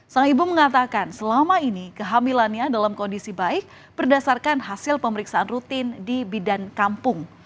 sang ibu mengatakan selama ini kehamilannya dalam kondisi baik berdasarkan hasil pemeriksaan rutin di bidan kampung